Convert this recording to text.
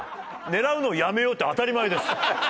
「狙うのをやめよう」って当たり前です。